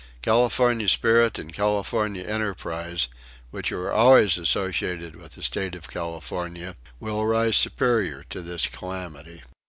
California spirit and California enterprise, which are always associated with the State of California, will rise superior to this calamity."